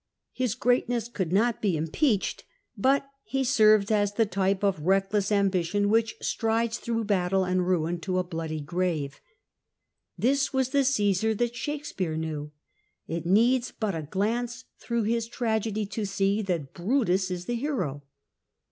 His greatness could not be impeached, but he served as the type of reckless ambition which strides through battle and ruin to a bloody grave. This was the Cmsar that Shakespeare knew; it needs but a glance through his tragedy to see that Brutus is the hero.